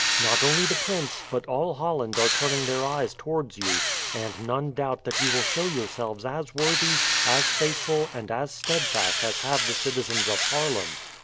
Not only the prince, but all Holland are turning their eyes towards you, and none doubt that you will show yourselves as worthy, as faithful, and as steadfast as have the citizens of Haarlem.